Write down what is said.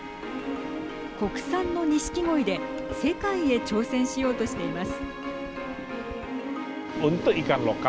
国産の錦鯉で世界へ挑戦しようとしています。